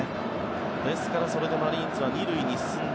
ですからそれでマリーンズは２塁に進んだ。